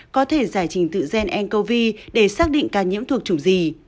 có thể giải trình tự gen ncov để xác định ca nhiễm thuộc chủng gì